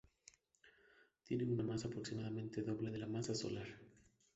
Tiene una masa aproximadamente doble de la masa solar.